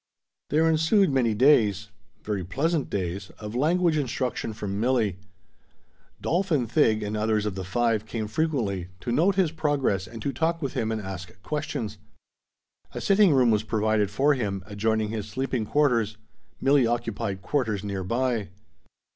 There ensued many days very pleasant days of language instruction from Milli. Dolf and Thig and others of the five came frequently, to note his progress and to talk with him and ask him questions. A sitting room was provided for him, adjoining his sleeping quarters. Milli occupied quarters nearby.